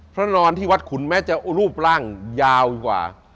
พระนอนที่วัดขุนแม้จะรูปร่างยาวกว่า